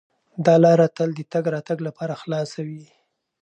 دا لاره تل د تګ راتګ لپاره خلاصه وي.